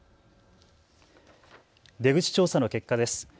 出口調査の結果です。